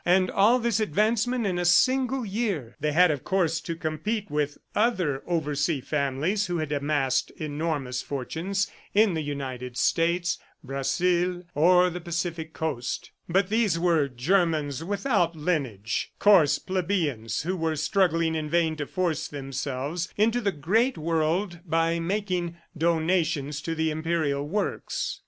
And all this advancement in a single year! ... They had, of course, to compete with other oversea families who had amassed enormous fortunes in the United States, Brazil or the Pacific coast; but these were Germans "without lineage," coarse plebeians who were struggling in vain to force themselves into the great world by making donations to the imperial works.